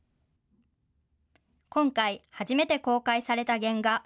今回、初めて公開された原画。